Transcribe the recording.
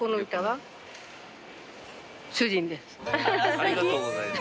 ありがとうございます。